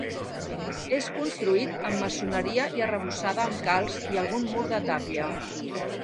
És construït amb maçoneria i arrebossada amb calç i algun mur de tàpia.